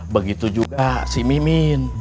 begitu juga si mimin